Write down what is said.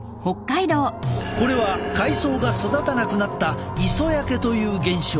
これは海藻が育たなくなった磯焼けという現象。